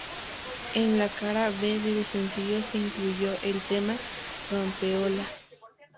En la cara B del sencillo se incluyó el tema "Rompeolas".